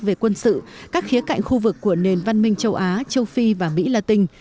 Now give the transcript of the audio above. về quân sự các khía cạnh khu vực của nền văn minh châu á châu phi và mỹ latin